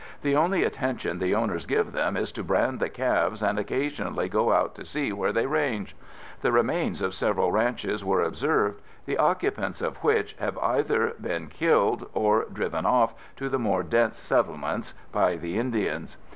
The only attention the owners give them is to brand the calves and occasionally go out to see where they range. The remains of several ranches were observed, the occupants of which have either been killed or driven off to the more dense settlements, by the Indians.